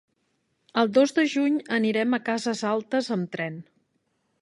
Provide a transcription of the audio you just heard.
El dos de juny anirem a Cases Altes amb tren.